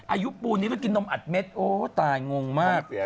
อายุปูนนี้แล้วกินนมอัดเม็ดโอ้ตายงงมาก